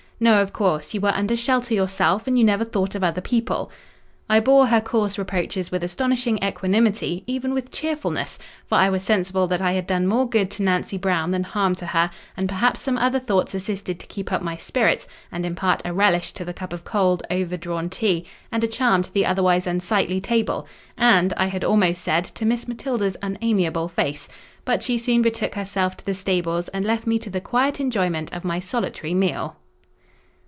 "No, of course; you were under shelter yourself, and you never thought of other people." I bore her coarse reproaches with astonishing equanimity, even with cheerfulness; for I was sensible that I had done more good to Nancy Brown than harm to her: and perhaps some other thoughts assisted to keep up my spirits, and impart a relish to the cup of cold, overdrawn tea, and a charm to the otherwise unsightly table; and—I had almost said—to Miss Matilda's unamiable face. But she soon betook herself to the stables, and left me to the quiet enjoyment of my solitary meal.